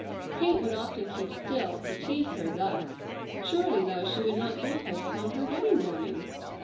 Kate would often keep still to tease her thus. Surely though she would not do so upon her wedding morning!